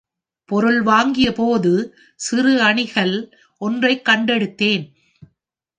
பொருள் வாங்கிய போது சிறு அணிகல் ஒன்றை கண்டெடுத்தேன்.